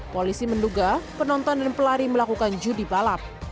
polisi menduga penonton dan pelari melakukan judi balap